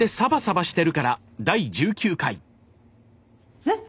えっ？